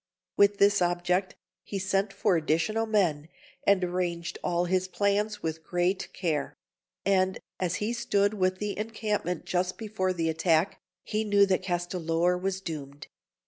With this object, he sent for additional men, and arranged all his plans with great care; and as he stood within the encampment just before the attack, he knew that Castellor was doomed.